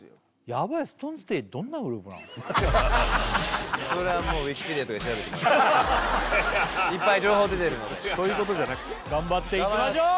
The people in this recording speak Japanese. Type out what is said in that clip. やばいそれはもういっぱい情報出てるのでそういうことじゃなくて頑張っていきましょう・